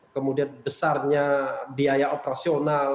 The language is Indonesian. kemudian besarnya biaya operasional